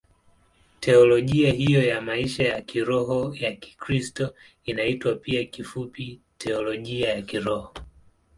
Teolojia hiyo ya maisha ya kiroho ya Kikristo inaitwa pia kifupi Teolojia ya Kiroho.